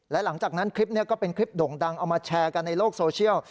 และหลังจากนั้นคลิปนี้ก็เป็นคลิปด่งดังเอามาแชร์กันในโลกโซเชียล